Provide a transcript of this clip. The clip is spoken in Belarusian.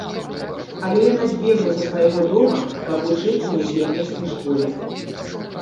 Але яна збегла са свайго дома, каб вучыцца ў місіянерскай школе.